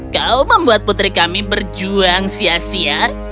kau membuat putri kami berjuang sia sia